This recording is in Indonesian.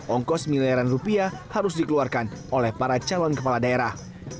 ongkos miliaran rupiah harus dikeluarkan oleh para calon kepala daerah